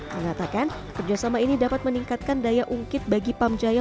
mengatakan kerjasama ini dapat meningkatkan daya ungkit bagi pamjaya